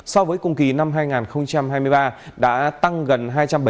so với cùng kỳ năm hai nghìn hai mươi ba đã tăng gần hai trăm bảy mươi tám